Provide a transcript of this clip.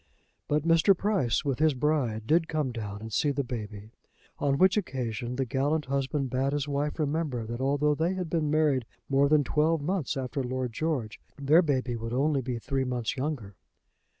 But Mr. Price, with his bride, did come down and see the baby; on which occasion the gallant husband bade his wife remember that although they had been married more than twelve months after Lord George, their baby would only be three months younger.